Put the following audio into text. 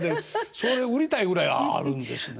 それ売りたいぐらいあるんですね。